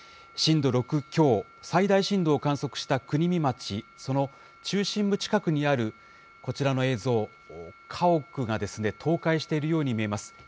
震度６強、最大震度を観測した国見町、その中心部近くにあるこちらの映像、家屋が倒壊しているように見えます。